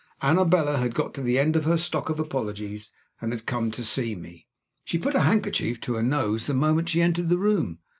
Annabella had got to the end of her stock of apologies, and had come to see me. She put her handkerchief to her nose the moment she entered the room.